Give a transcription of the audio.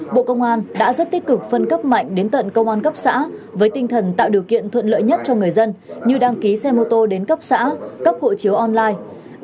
bộ công an đã rất tích cực phân cấp mạnh đến tận công an cấp xã với tinh thần tạo điều kiện thuận lợi nhất cho người dân như đăng ký xe mô tô đến cấp xã cấp hộ chiếu online